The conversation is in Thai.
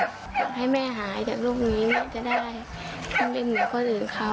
อยากให้แม่หายจากโรคนี้แม่จะได้ต้องเป็นเหมือนคนอื่นเขา